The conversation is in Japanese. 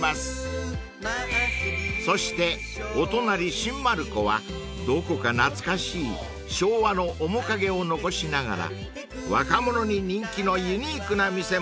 ［そしてお隣新丸子はどこか懐かしい昭和の面影を残しながら若者に人気のユニークな店もちらほら］